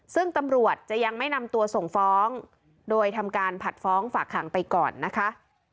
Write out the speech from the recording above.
ซึ่งตำรวจจะยังไม่นำตัวส่งฟ้องโดยทำการผัดฟ้องฝากขังไปก่อนนะคะ